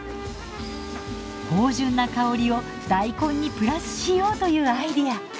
芳じゅんな香りを大根にプラスしようというアイデア。